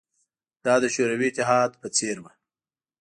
دا د شوروي اتحاد په څېر وه